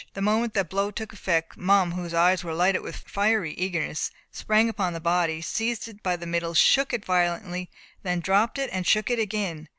The moment the blow took effect, Mum, whose eyes were lighted with fiery eagerness, sprang upon the body, seized it by the middle, shook it violently, then dropped and shook it again.